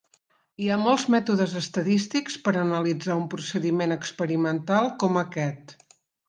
Hi ha molts mètodes estadístics per analitzar un procediment experimental com aquest.